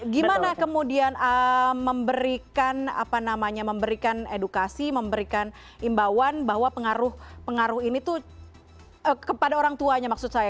gimana kemudian memberikan apa namanya memberikan edukasi memberikan imbauan bahwa pengaruh ini tuh kepada orang tuanya maksud saya